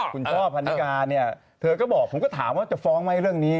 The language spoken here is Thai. คุณช่อพันนิกาเนี่ยเธอก็บอกผมก็ถามว่าจะฟ้องไหมเรื่องนี้